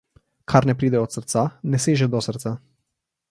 Kar ne pride od srca, ne seže do srca.